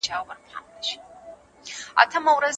دعا بې عمله نه قبوليږي.